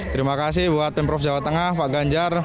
terima kasih buat pemprov jawa tengah pak ganjar